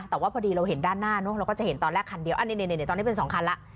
แต่ว่าพอดีเราเห็นด้านหน้าเราก็จะเห็นตอนแค่แคนเดียวอ่ะนี่เหนื่อยตอนนี้เป็น๒คันละ